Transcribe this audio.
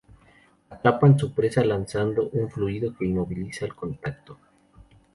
Atrapan su presa lanzando un fluido que inmoviliza al contacto.